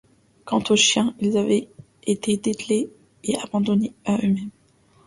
Quant aux chiens, ils avaient été dételés et abandonnés à eux-mêmes.